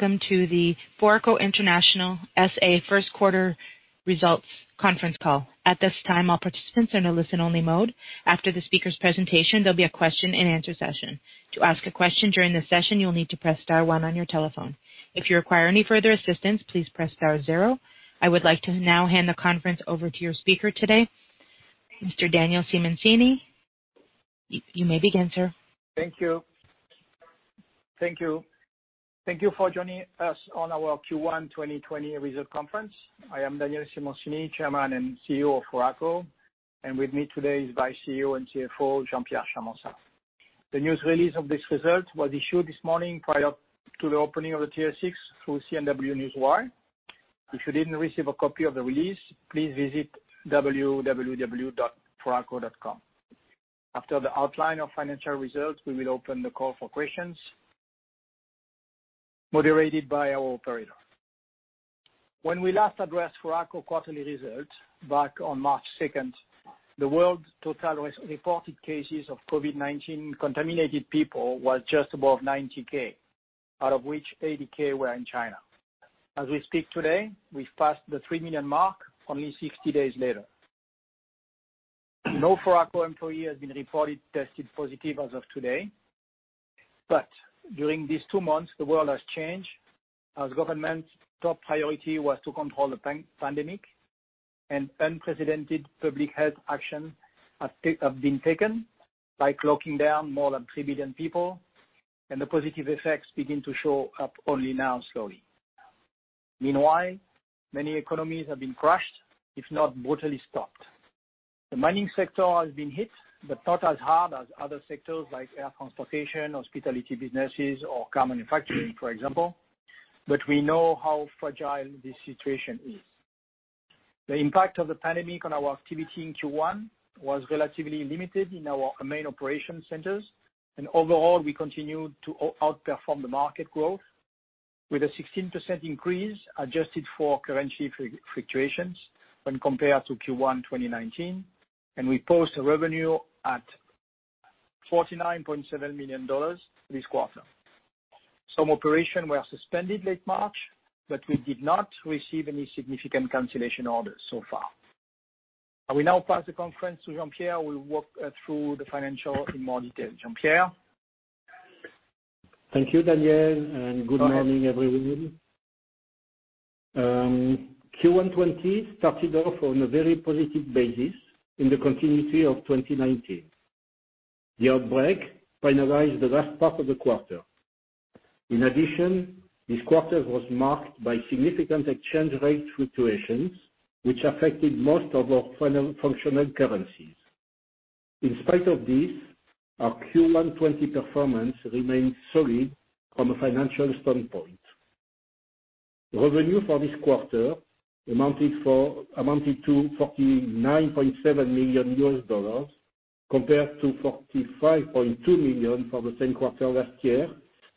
Welcome to the Foraco International SA First Quarter results conference call. At this time, all participants are in a listen-only mode. After the speaker's presentation, there'll be a question and answer session. To ask a question during the session, you'll need to press star one on your telephone. If you require any further assistance, please press star zero. I would like to now hand the conference over to your speaker today, Mr. Daniel Simoncini. You may begin, sir. Thank you. Thank you. Thank you for joining us on our Q1 2020 result conference. I am Daniel Simoncini, Chairman and CEO of Foraco, and with me today is Vice CEO and CFO, Jean-Pierre Charmensat. The news release of this result was issued this morning prior to the opening of the TSX through CNW Newswire. If you didn't receive a copy of the release, please visit www.foraco.com. After the outline of financial results, we will open the call for questions moderated by our operator. When we last addressed Foraco quarterly results back on March second, the world's total reported cases of COVID-19 contaminated people was just above 90,000, out of which 80,000 were in China. As we speak today, we've passed the 3,000,000 mark, only 60 days later. No Foraco employee has been reported tested positive as of today. But during these two months, the world has changed, as government's top priority was to control the pandemic, and unprecedented public health action have been taken by closing down more than 3 billion people, and the positive effects begin to show up only now, slowly. Meanwhile, many economies have been crushed, if not brutally stopped. The mining sector has been hit, but not as hard as other sectors like air transportation, hospitality businesses, or car manufacturing, for example, but we know how fragile this situation is. The impact of the pandemic on our activity in Q1 was relatively limited in our main operation centers, and overall, we continued to outperform the market growth with a 16% increase, adjusted for currency fluctuations when compared to Q1 2019, and we post a revenue at $49.7 million this quarter. Some operations were suspended in late March, but we did not receive any significant cancellation orders so far. I will now pass the call to Jean-Pierre, who will walk us through the financials in more detail. Jean-Pierre? Thank you, Daniel, and good morning, everyone. Q1 2020 started off on a very positive basis in the continuity of 2019. The outbreak penalized the last part of the quarter. In addition, this quarter was marked by significant exchange rate fluctuations, which affected most of our functional currencies. In spite of this, our Q1 2020 performance remained solid from a financial standpoint. Revenue for this quarter amounted to $49.7 million, compared to $45.2 million for the same quarter last year,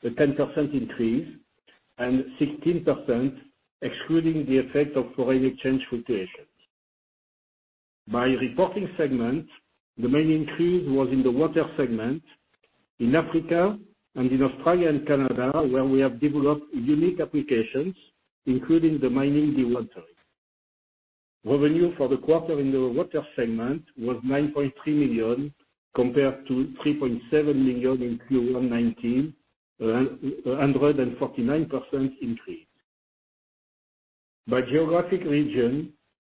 a 10% increase, and 16% excluding the effect of foreign exchange fluctuations. By reporting segment, the main increase was in the water segment in Africa and in Australia and Canada, where we have developed unique applications, including the mining dewatering. Revenue for the quarter in the water segment was $9.3 million, compared to $3.7 million in Q1 2019, a 149% increase. By geographic region,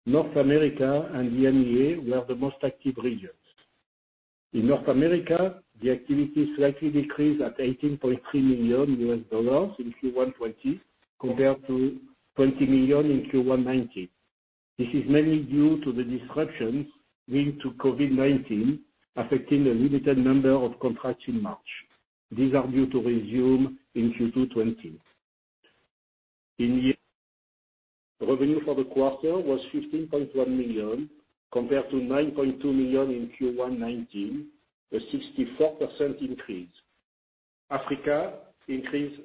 North America and EMEA were the most active regions. In North America, the activity slightly decreased at $18.3 million in Q1 2020, compared to $20 million in Q1 2019. This is mainly due to the disruptions linked to COVID-19, affecting a limited number of contracts in March. These are due to resume in Q2 2020. Revenue for the quarter was $15.1 million, compared to $9.2 million in Q1 2019, a 64% increase. Africa increased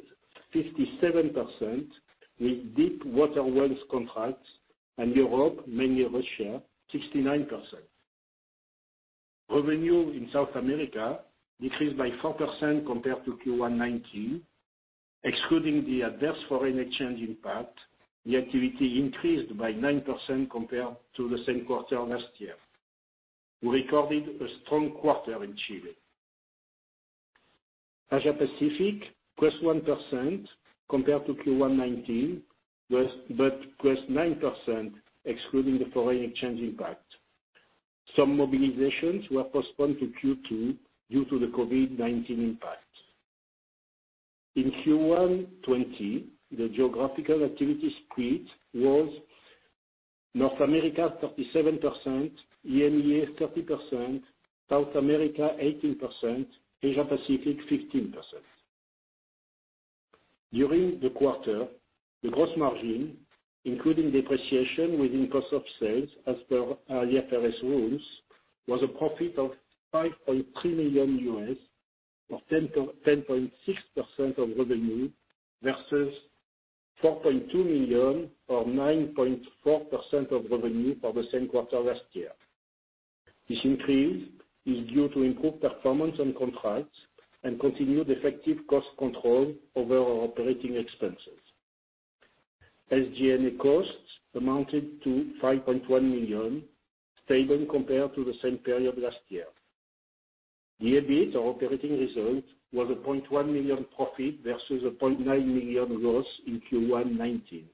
57% with deep water wells contracts, and Europe, mainly Russia, 69%. Revenue in South America decreased by 4% compared to Q1 2019. Excluding the adverse foreign exchange impact, the activity increased by 9% compared to the same quarter last year. We recorded a strong quarter in Chile. Asia Pacific, +1% compared to Q1 2019, but plus 9% excluding the foreign exchange impact. Some mobilizations were postponed to Q2 due to the COVID-19 impact. In Q1 2020, the geographical activity split was North America, 37%; EMEA, 30%; South America, 18%; Asia Pacific, 15%. During the quarter, the gross margin, including depreciation within cost of sales, as per IFRS rules, was a profit of $5.3 million, or 10.6% of revenue, versus $4.2 million, or 9.4% of revenue for the same quarter last year. This increase is due to improved performance on contracts and continued effective cost control over our operating expenses. SG&A costs amounted to $5.1 million, stable compared to the same period last year. The EBIT, our operating result, was $0.1 million profit versus a $0.9 million loss in Q1 2019.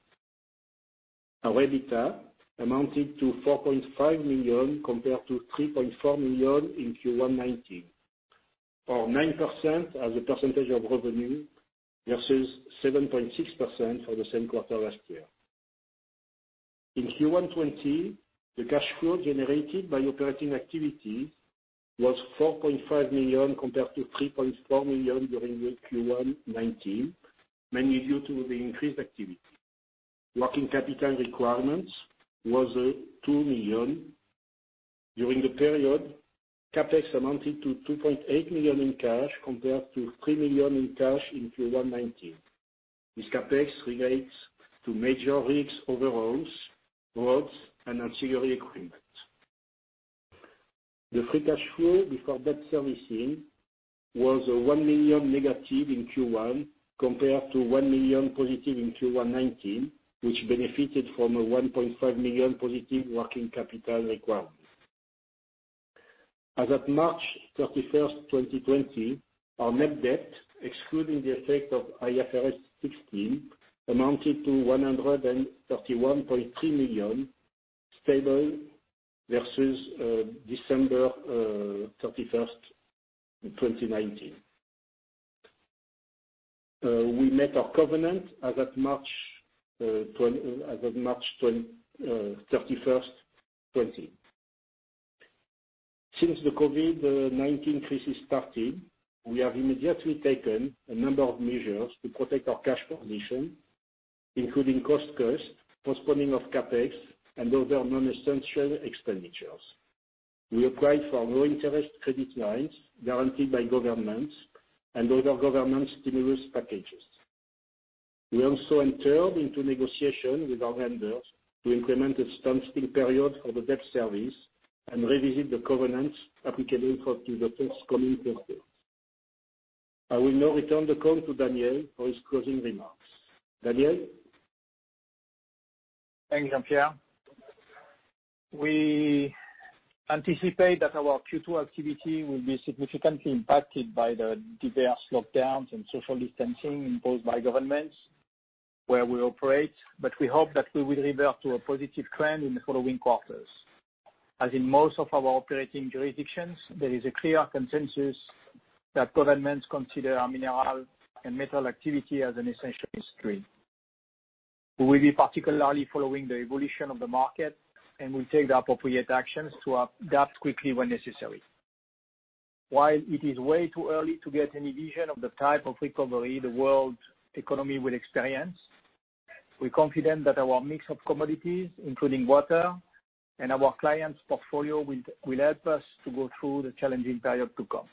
Our EBITDA amounted to $4.5 million compared to $3.4 million in Q1 2019, or 9% as a percentage of revenue versus 7.6% for the same quarter last year. In Q1 2020, the cash flow generated by operating activities was $4.5 million compared to $3.4 million during the Q1 2019, mainly due to the increased activity. Working capital requirements was $2 million. During the period, CapEx amounted to $2.8 million in cash compared to $3 million in cash in Q1 2019. This CapEx relates to major rigs overhauls, roads, and ancillary equipment. The free cash flow before debt servicing was $1 million negative in Q1 2019 compared to $1 million positive in Q1 2019, which benefited from a $1.5 million positive working capital requirement. As of March 31, 2020, our net debt, excluding the effect of IFRS 16, amounted to $131.3 million, stable versus December 31, 2019. We met our covenant as of March 31, 2020. Since the COVID-19 crisis started, we have immediately taken a number of measures to protect our cash position, including cost cuts, postponing of CapEx, and other non-essential expenditures. We applied for low-interest credit lines guaranteed by governments and other government stimulus packages. We also entered into negotiation with our vendors to implement a standstill period for the debt service and revisit the covenants applicable for the forthcoming quarter. I will now return the call to Daniel for his closing remarks. Daniel? Thanks, Jean-Pierre. We anticipate that our Q2 activity will be significantly impacted by the diverse lockdowns and social distancing imposed by governments where we operate, but we hope that we will revert to a positive trend in the following quarters. As in most of our operating jurisdictions, there is a clear consensus that governments consider our mineral and metal activity as an essential industry. We will be particularly following the evolution of the market, and we take the appropriate actions to adapt quickly when necessary. While it is way too early to get any vision of the type of recovery the world's economy will experience, we're confident that our mix of commodities, including water, and our clients' portfolio will help us to go through the challenging period to come.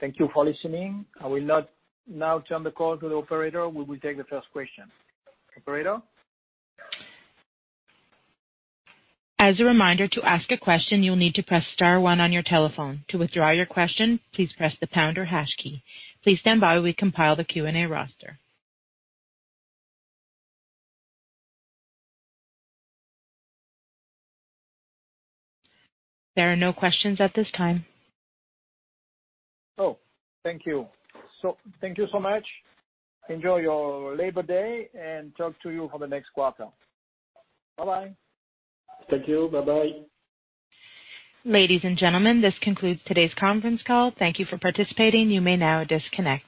Thank you for listening. I will now turn the call to the operator, who will take the first question. Operator? As a reminder, to ask a question, you'll need to press star one on your telephone. To withdraw your question, please press the pound or hash key. Please stand by while we compile the Q&A roster. There are no questions at this time. Oh, thank you. Thank you so much. Enjoy your Labor Day, and talk to you for the next quarter. Bye-bye. Thank you. Bye-bye. Ladies and gentlemen, this concludes today's conference call. Thank you for participating. You may now disconnect.